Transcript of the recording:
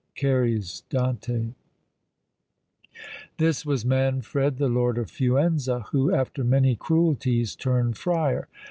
CARY'S Dante. This was Manfred, the Lord of Fuenza, who, after many cruelties, turned friar.